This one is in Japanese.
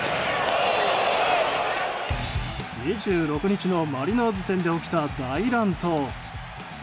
２６日のマリナーズ戦で起きた大乱闘。